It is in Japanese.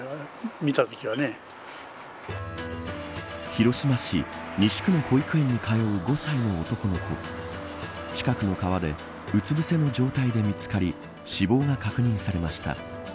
広島市西区の保育園に通う５歳の男の子近くの川でうつ伏せの状態で見Ｔかり死亡が確認されました。